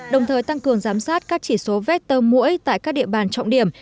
đồng thời tăng cường giám sát các chỉ số vector mũi tại các địa bàn trọng điểm